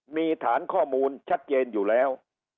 มีฐานข้อมูลชัดเจนอยู่แล้ว